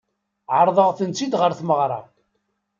Ɛeṛḍeɣ-tent-id ɣer tmeɣṛa.